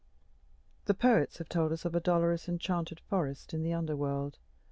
The poets have told us of a dolorous enchanted forest in the under world.